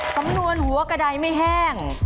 สำนวนหัวกระดายไม่แห้ง